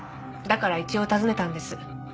だから一応訪ねたんです。